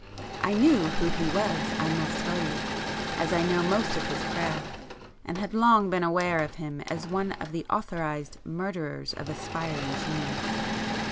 I knew who he was I must tell you, as I know most of his craft, and had long been aware of him as one of the authorised murderers of aspiring genius.